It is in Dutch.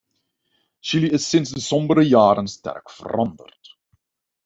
Chili is sinds die sombere jaren sterk veranderd.